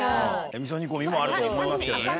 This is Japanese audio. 味噌煮込みもあると思いますけどね。